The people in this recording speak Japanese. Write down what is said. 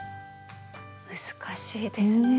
難しいですね。